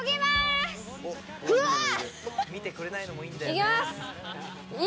いきます。